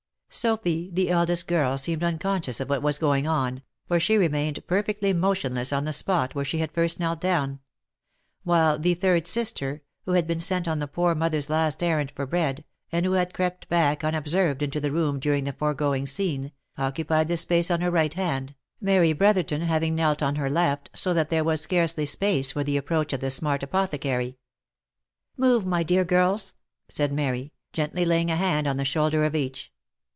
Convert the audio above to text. Sophy, the eldest girl seemed unconscious of what was going on, for she remained perfectly motionless on the spot where she had first knelt down ; while the third sister, who had been sent on the poor mother's last errand for bread, and who had crept back unobserved into the room during the foregoing scene, occupied the space on her right hand, Mary Brotherton having knelt on her left, so that there was scarcely space for the approach of the smart apothecary. " Move, my dear girls !" said Mary, gently laying a hand on the shoulder of each.